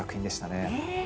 ねえ。